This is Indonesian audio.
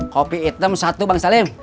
kopi item satu bang salim